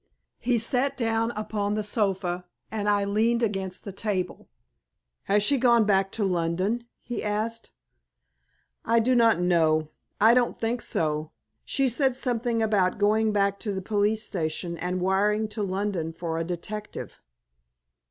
He sat down upon the sofa, and I leaned against the table. "Has she gone back to London?" he asked. "I do not know, I don't think so. She said something about going back to the police station and wiring to London for a detective."